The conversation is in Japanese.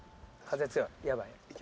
風強いやばい。